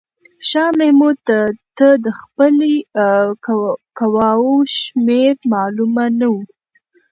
شاه محمود ته د خپلې قواوو شمېر معلومه نه و.